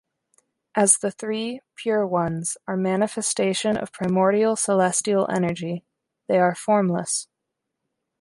As the Three Pure Ones are manifestation of Primordial Celestial Energy, they are formless.